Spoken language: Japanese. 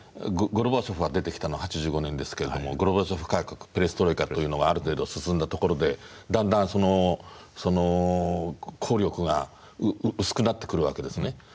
ゴルバチョフが出てきたのは８５年ですけれどゴルバチョフ改革ペレストロイカというのがある程度進んだところでだんだんその効力が薄くなってくるわけですね。